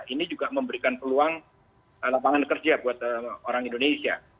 ini juga memberikan peluang lapangan kerja buat orang indonesia